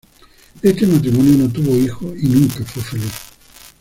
Este matrimonio no tuvo hijos y nunca fue feliz.